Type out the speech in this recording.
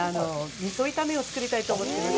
味噌炒めを作りたいと思ってます。